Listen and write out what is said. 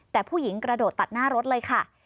แต่ผู้หญิงกระโดดตัดหน้ารถเลยค่ะ